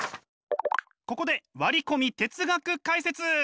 ここで割り込み哲学解説。